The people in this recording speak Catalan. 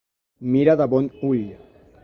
Mira de bon ull.